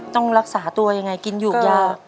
ต้องรักษาตัวยังไงกินหยูกยา